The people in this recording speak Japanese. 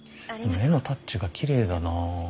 絵のタッチがきれいだなあ。